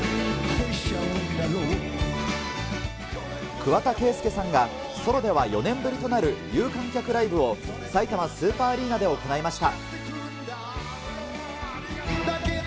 桑田佳祐さんが、ソロでは４年ぶりとなる有観客ライブをさいたまスーパーアリーナで行いました。